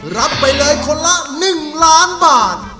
รับไปเลยคนละ๑ล้านบาท